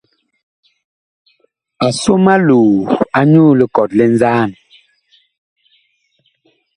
A som aloo anyuu likɔt li nzaan.